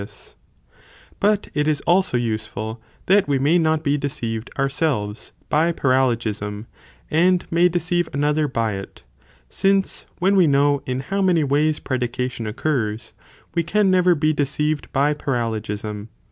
$rd, To escape But it is also useful that we may not be deceived paralogism, and (ourselves) by paralogism, and may deceive another to employ it. by i .. y it, since when we know in how many ways predication occurs, we can never be deceived by paralogism